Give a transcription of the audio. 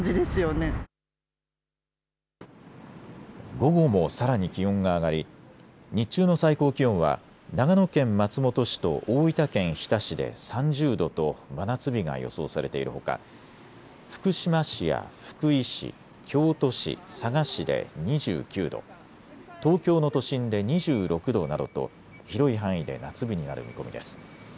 午後もさらに気温が上がり日中の最高気温は長野県松本市と大分県日田市で３０度と真夏日が予想されているほか、福島市や福井市、京都市、佐賀市で２９度、東京の都心で２６度などと広い範囲で夏日になる見込みです。